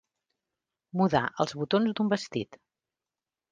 Mudar els botons d'un vestit.